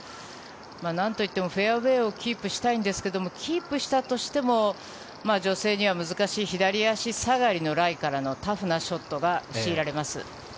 なんといってもフェアウェーをキープしたいんですけどキープしたとしても女性には難しい左足下がりのライからのタフなショットが強いられます。